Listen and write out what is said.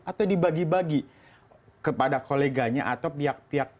atau dibagi bagi kepada koleganya atau pihak pihak